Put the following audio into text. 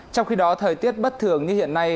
trong khi đó thời tiết bất thường như hiện nay